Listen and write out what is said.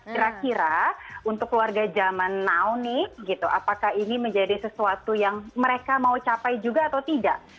kira kira untuk keluarga zaman now nih gitu apakah ini menjadi sesuatu yang mereka mau capai juga atau tidak